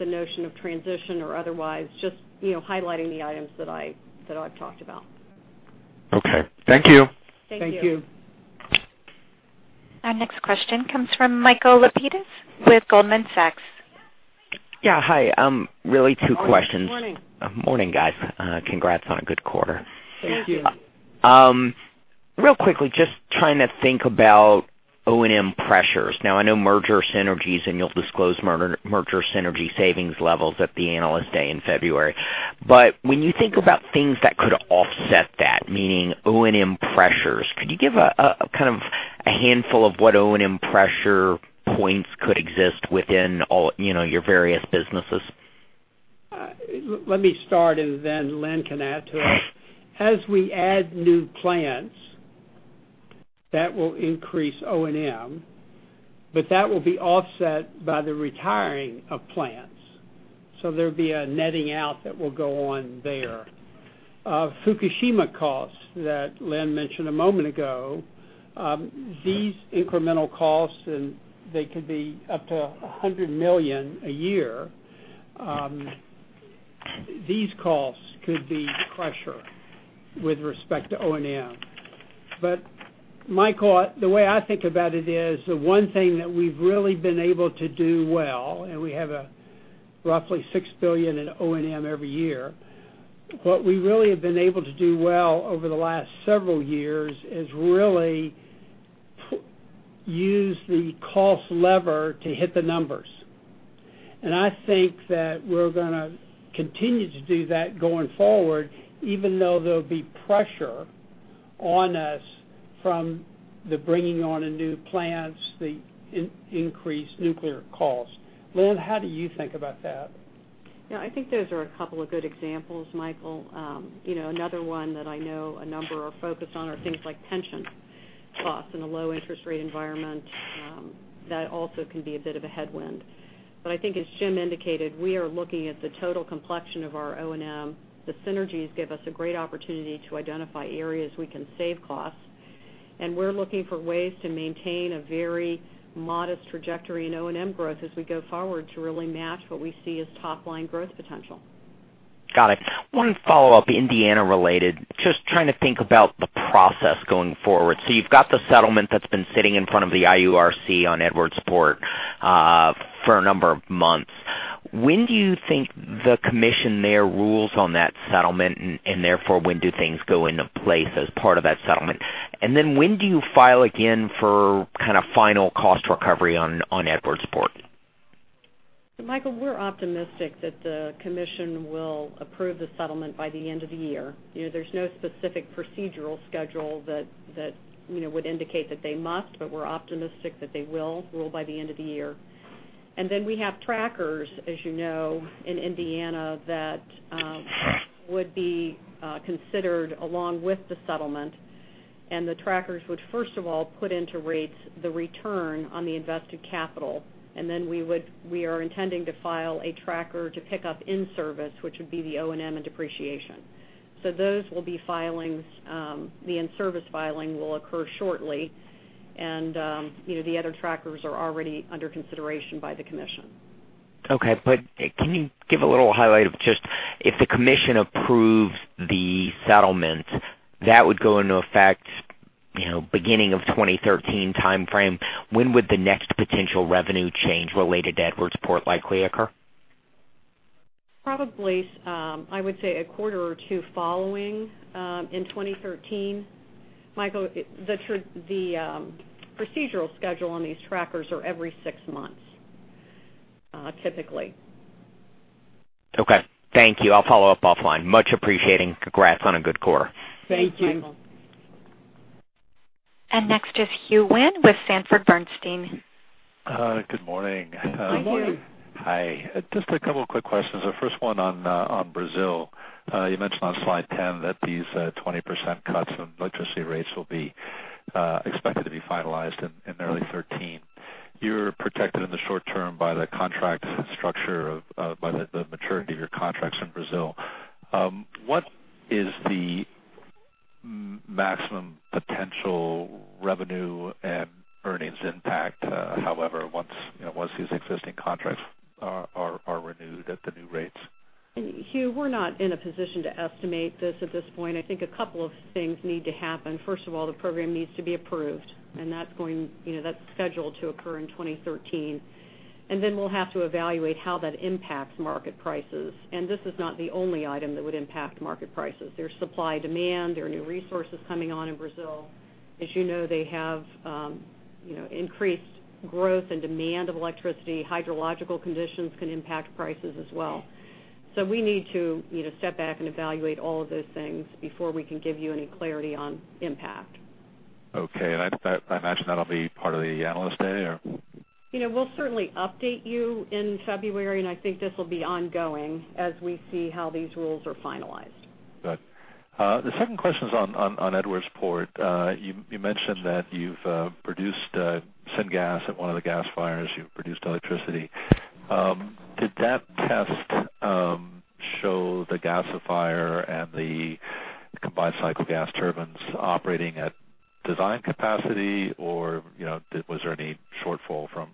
the notion of transition or otherwise, just highlighting the items that I've talked about. Okay. Thank you. Thank you. Thank you. Our next question comes from Michael Lapides with Goldman Sachs. Yeah. Hi. Really two questions. Morning. Morning, guys. Congrats on a good quarter. Thank you. Real quickly, just trying to think about O&M pressures. Now I know merger synergies, and you'll disclose merger synergy savings levels at the Analyst Day in February. When you think about things that could offset that, meaning O&M pressures, could you give a handful of what O&M pressure points could exist within all your various businesses? Let me start and then Lynn can add to it. As we add new plants, that will increase O&M, but that will be offset by the retiring of plants. There'll be a netting out that will go on there. Fukushima costs that Lynn mentioned a moment ago, these incremental costs, and they could be up to $100 million a year, these costs could be pressure with respect to O&M. Michael, the way I think about it is, the one thing that we've really been able to do well, and we have roughly $6 billion in O&M every year. What we really have been able to do well over the last several years is really use the cost lever to hit the numbers. I think that we're going to continue to do that going forward, even though there'll be pressure on us from the bringing on of new plants, the increased nuclear costs. Lynn, how do you think about that? Yeah, I think those are a couple of good examples, Michael. Another one that I know a number are focused on are things like pension costs in a low interest rate environment. That also can be a bit of a headwind. I think as Jim indicated, we are looking at the total complexion of our O&M. The synergies give us a great opportunity to identify areas we can save costs, and we're looking for ways to maintain a very modest trajectory in O&M growth as we go forward to really match what we see as top-line growth potential. Got it. One follow-up, Indiana related. Just trying to think about the process going forward. You've got the settlement that's been sitting in front of the IURC on Edwardsport for a number of months. When do you think the commission there rules on that settlement, and therefore when do things go into place as part of that settlement? When do you file again for kind of final cost recovery on Edwardsport? Michael, we're optimistic that the commission will approve the settlement by the end of the year. There's no specific procedural schedule that would indicate that they must, but we're optimistic that they will rule by the end of the year. We have trackers, as you know, in Indiana that would be considered along with the settlement. The trackers would first of all put into rates the return on the invested capital, and then we are intending to file a tracker to pick up in-service, which would be the O&M and depreciation. Those will be filings. The in-service filing will occur shortly, and the other trackers are already under consideration by the commission. Okay, can you give a little highlight of just if the commission approves the settlement, that would go into effect beginning of 2013 timeframe. When would the next potential revenue change related to Edwardsport likely occur? Probably, I would say a quarter or two following in 2013. Michael, the procedural schedule on these trackers are every six months, typically. Okay. Thank you. I'll follow up offline. Much appreciated. Congrats on a good quarter. Thank you. Thank you, Michael. Next is Hugh Wynne with Sanford C. Bernstein. Good morning. Good morning. Hi. Just a couple quick questions. The first one on Brazil. You mentioned on slide 10 that these 20% cuts in electricity rates will be expected to be finalized in early 2013. You're protected in the short term by the contracts structure, by the maturity of your contracts in Brazil. What is the maximum potential revenue and earnings impact, however, once these existing contracts are renewed at the new rates? Hugh, we're not in a position to estimate this at this point. I think a couple of things need to happen. First of all, the program needs to be approved, and that's scheduled to occur in 2013. Then we'll have to evaluate how that impacts market prices. This is not the only item that would impact market prices. There's supply, demand. There are new resources coming on in Brazil. As you know, they have increased growth and demand of electricity. Hydrological conditions can impact prices as well. We need to step back and evaluate all of those things before we can give you any clarity on impact. Okay. I imagine that'll be part of the Analyst Day or? We'll certainly update you in February, and I think this will be ongoing as we see how these rules are finalized. Got it. The second question's on Edwardsport. You mentioned that you've produced syngas at one of the gasifiers. You've produced electricity. Did that test show the gasifier and the combined cycle gas turbines operating at design capacity, or was there any shortfall from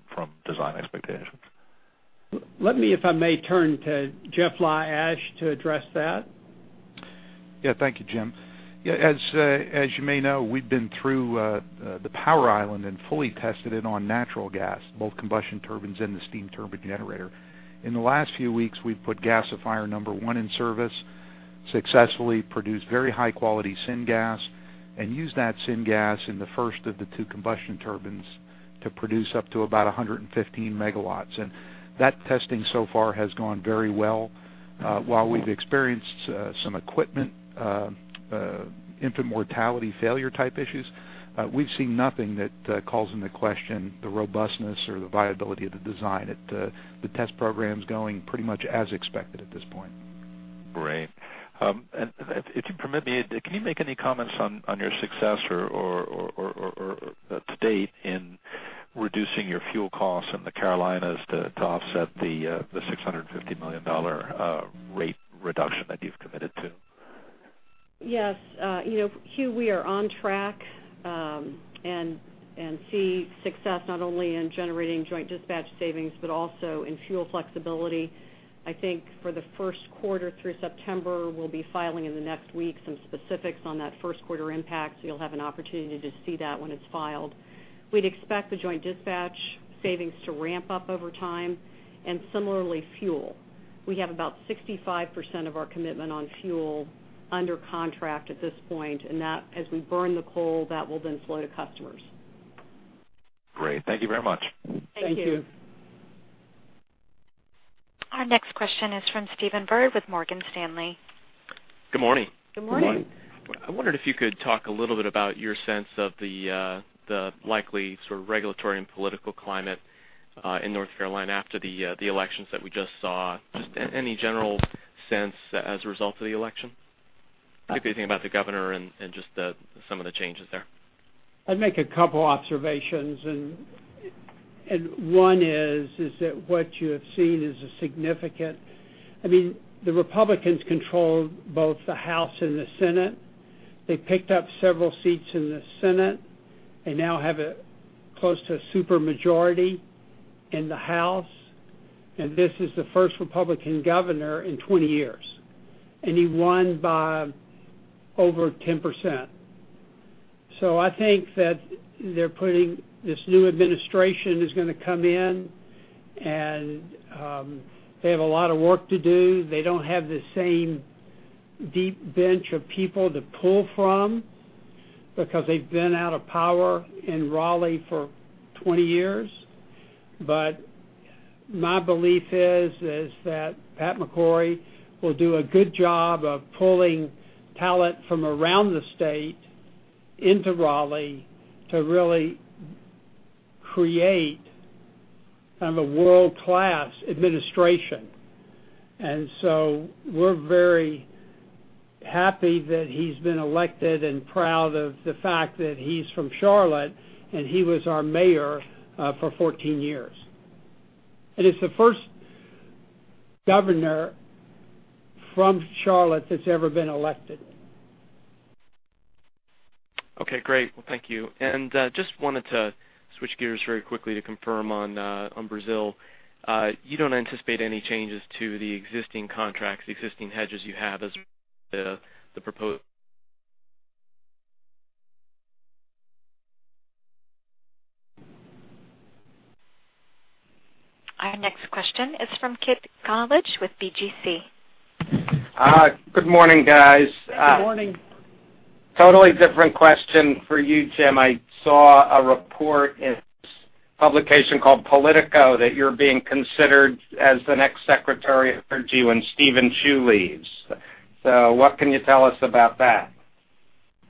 design expectations? Let me, if I may, turn to Jeff LaAshe to address that. Yeah. Thank you, Jim. As you may know, we've been through the power island and fully tested it on natural gas, both combustion turbines and the steam turbine generator. In the last few weeks, we've put gasifier number one in service, successfully produced very high-quality syngas, and used that syngas in the first of the two combustion turbines to produce up to about 115 MW. That testing so far has gone very well. While we've experienced some equipment infant mortality failure type issues, we've seen nothing that calls into question the robustness or the viability of the design. The test program's going pretty much as expected at this point. Great. If you permit me, can you make any comments on your success or to date in reducing your fuel costs in the Carolinas to offset the $650 million rate reduction that you've committed to? Yes, Hugh, we are on track, and see success not only in generating joint dispatch savings, but also in fuel flexibility. I think for the first quarter through September, we'll be filing in the next week some specifics on that first quarter impact. You'll have an opportunity to see that when it's filed. We'd expect the joint dispatch savings to ramp up over time, and similarly, fuel. We have about 65% of our commitment on fuel under contract at this point, and that as we burn the coal, that will then flow to customers. Great. Thank you very much. Thank you. Thank you. Our next question is from Stephen Byrd with Morgan Stanley. Good morning. Good morning. Good morning. I wondered if you could talk a little bit about your sense of the likely regulatory and political climate in North Carolina after the elections that we just saw. Just any general sense as a result of the election? Particularly about the governor and just some of the changes there. I'd make a couple observations. One is that what you have seen is the Republicans control both the House and the Senate. They picked up several seats in the Senate. They now have close to a super majority in the House. This is the first Republican governor in 20 years, and he won by over 10%. I think that this new administration is going to come in and they have a lot of work to do. They don't have the same deep bench of people to pull from because they've been out of power in Raleigh for 20 years. My belief is that Pat McCrory will do a good job of pulling talent from around the state into Raleigh to really create a world-class administration. We're very happy that he's been elected and proud of the fact that he's from Charlotte and he was our mayor for 14 years. It's the first governor from Charlotte that's ever been elected. Okay, great. Thank you. Just wanted to switch gears very quickly to confirm on Brazil. You don't anticipate any changes to the existing contracts, the existing hedges you have? Our next question is from Kit Konolige with BGC. Good morning, guys. Good morning. Totally different question for you, Jim. I saw a report in this publication called Politico that you're being considered as the next Secretary of Energy when Steven Chu leaves. What can you tell us about that?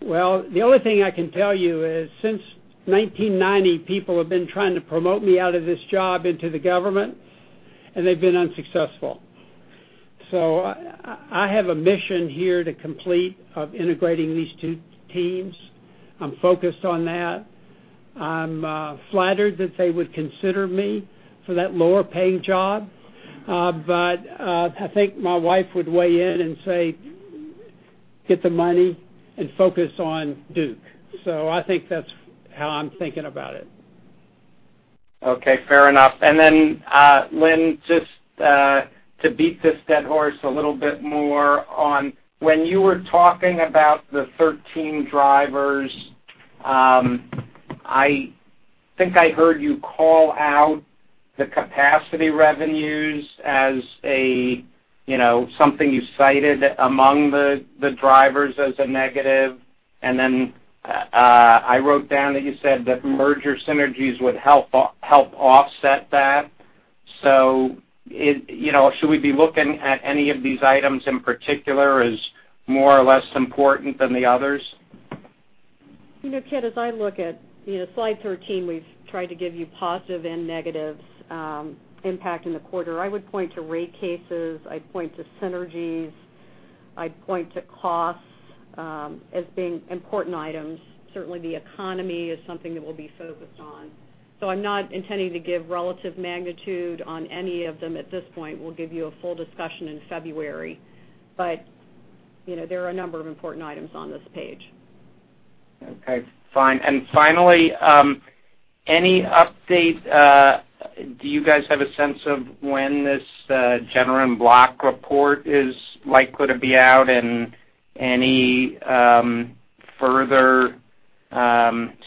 The only thing I can tell you is since 1990, people have been trying to promote me out of this job into the government, and they've been unsuccessful. I have a mission here to complete of integrating these two teams. I'm focused on that. I'm flattered that they would consider me for that lower-paying job. I think my wife would weigh in and say, "Get the money and focus on Duke." I think that's how I'm thinking about it. Okay, fair enough. Lynn, just to beat this dead horse a little bit more on, when you were talking about the 13 drivers, I think I heard you call out the capacity revenues as something you cited among the drivers as a negative. I wrote down that you said that merger synergies would help offset that. Should we be looking at any of these items in particular as more or less important than the others? Kit, as I look at slide 13, we've tried to give you positive and negatives impact in the quarter. I would point to rate cases, I'd point to synergies, I'd point to costs as being important items. Certainly, the economy is something that we'll be focused on. I'm not intending to give relative magnitude on any of them at this point. We'll give you a full discussion in February. There are a number of important items on this page. Okay, fine. Finally, any update, do you guys have a sense of when this Gene Block report is likely to be out and any further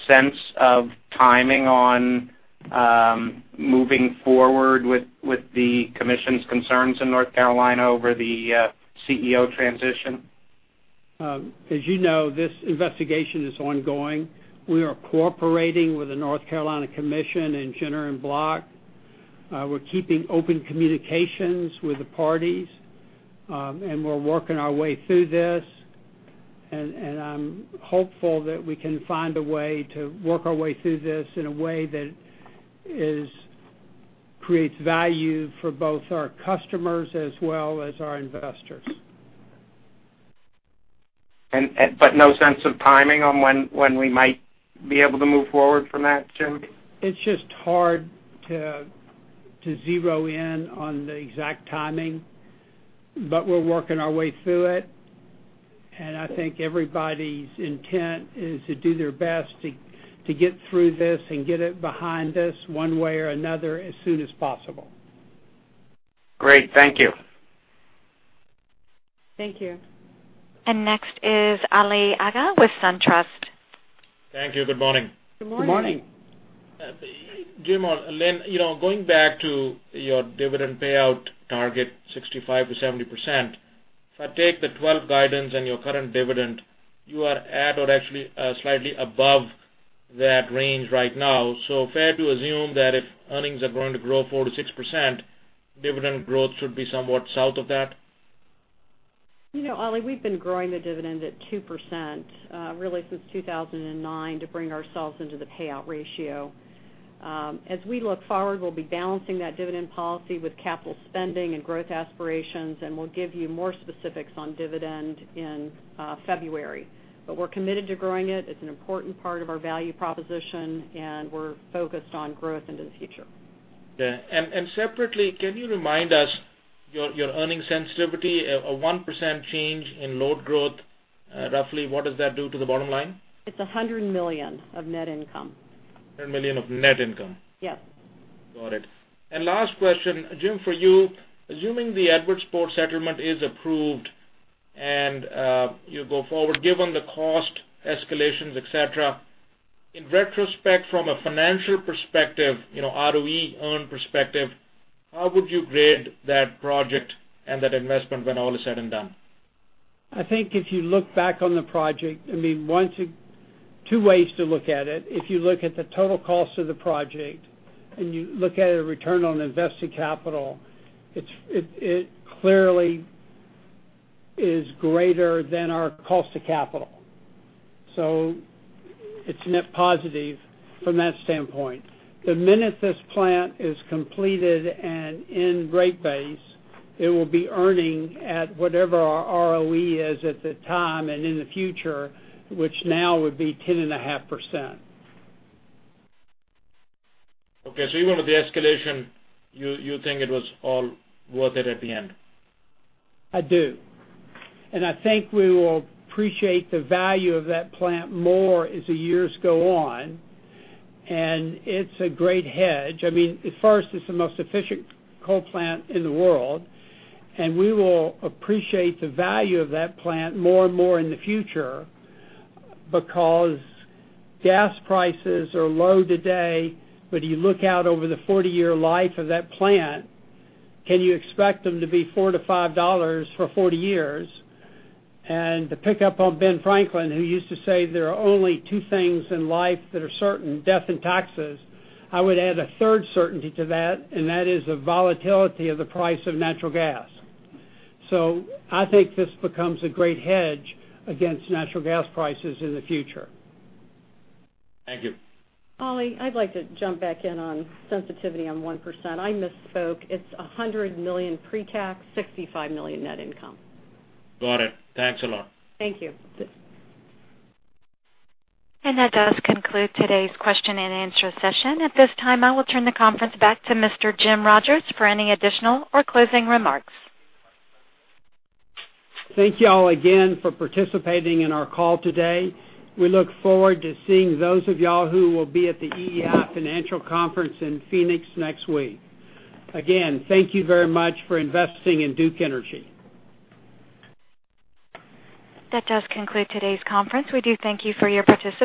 sense of timing on moving forward with the commission's concerns in North Carolina over the CEO transition? As you know, this investigation is ongoing. We are cooperating with the North Carolina Commission and Gene Block. We're keeping open communications with the parties. We're working our way through this. I'm hopeful that we can find a way to work our way through this in a way that creates value for both our customers as well as our investors. No sense of timing on when we might be able to move forward from that, Jim? It's just hard to zero in on the exact timing. We're working our way through it. I think everybody's intent is to do their best to get through this and get it behind us one way or another as soon as possible. Great. Thank you. Thank you. Next is Ali Agha with SunTrust. Thank you. Good morning. Good morning. Good morning. Jim or Lynn, going back to your dividend payout target 65%-70%, if I take the 2012 guidance and your current dividend, you are at or actually slightly above that range right now. Fair to assume that if earnings are going to grow 4%-6%, dividend growth should be somewhat south of that? Ali, we've been growing the dividend at 2% really since 2009 to bring ourselves into the payout ratio. As we look forward, we'll be balancing that dividend policy with capital spending and growth aspirations, and we'll give you more specifics on dividend in February. We're committed to growing it. It's an important part of our value proposition, and we're focused on growth into the future. Yeah. Separately, can you remind us your earnings sensitivity? A 1% change in load growth, roughly, what does that do to the bottom line? It's $100 million of net income. $100 million of net income. Yes. Got it. Last question, Jim, for you. Assuming the Edwardsport settlement is approved and you go forward, given the cost escalations, et cetera, in retrospect, from a financial perspective, ROE earn perspective, how would you grade that project and that investment when all is said and done? I think if you look back on the project, two ways to look at it. If you look at the total cost of the project and you look at a return on invested capital, it clearly is greater than our cost to capital. It's net positive from that standpoint. The minute this plant is completed and in rate base, it will be earning at whatever our ROE is at the time and in the future, which now would be 10.5%. Okay. Even with the escalation, you think it was all worth it at the end? I do. I think we will appreciate the value of that plant more as the years go on. It's a great hedge. First, it's the most efficient coal plant in the world, we will appreciate the value of that plant more and more in the future because gas prices are low today. You look out over the 40-year life of that plant, can you expect them to be $4 to $5 for 40 years? To pick up on Ben Franklin, who used to say there are only two things in life that are certain, death and taxes, I would add a third certainty to that, and that is the volatility of the price of natural gas. I think this becomes a great hedge against natural gas prices in the future. Thank you. Ali, I'd like to jump back in on sensitivity on 1%. I misspoke. It's $100 million pre-tax, $65 million net income. Got it. Thanks a lot. Thank you. That does conclude today's question and answer session. At this time, I will turn the conference back to Mr. Jim Rogers for any additional or closing remarks. Thank you all again for participating in our call today. We look forward to seeing those of you all who will be at the EEI Financial Conference in Phoenix next week. Again, thank you very much for investing in Duke Energy. That does conclude today's conference. We do thank you for your participation